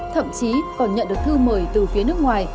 thậm chí còn nhận được thư mời từ phía nước ngoài